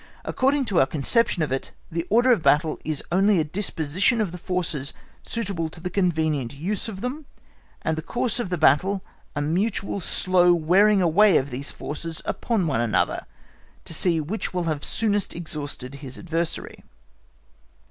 According to our conception of it, the order of battle is only a disposition of the forces suitable to the convenient use of them, and the course of the battle a mutual slow wearing away of these forces upon one another, to see which will have soonest exhausted his adversary.